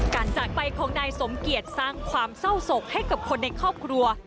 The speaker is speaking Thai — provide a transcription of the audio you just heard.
จากไปของนายสมเกียจสร้างความเศร้าศกให้กับคนในครอบครัว